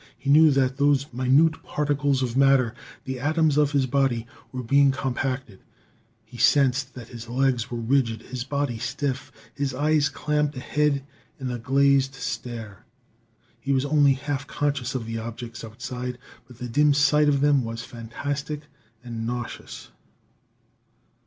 He knew that those minute particles of matter, the atoms of his body, were being compacted; he sensed that his legs were rigid, his body stiff, his eyes clamped ahead in a glazed stare. He was only half conscious of the objects outside, but the dim sight of them was fantastic and nauseous.